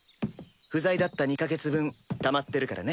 不在だった２か月分たまってるからね。